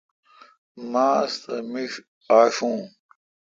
ماستہ میݭ آݭوں۔